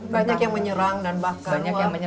banyak yang menyerang dan bahkan